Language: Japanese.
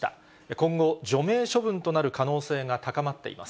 今後、除名処分となる可能性が高まっています。